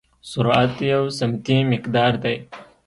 سرعت یو سمتي مقدار دی.